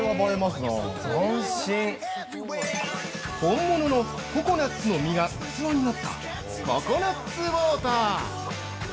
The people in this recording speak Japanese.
◆本物のココナッツの実が器になったココナッツウォーター。